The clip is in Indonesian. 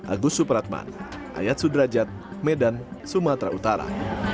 agus supratman ayat sudrajat medan sumatera utara